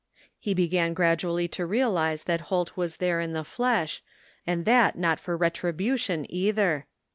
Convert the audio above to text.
He began gradually to realize that Holt was there in the flesh, and that not for retribution either.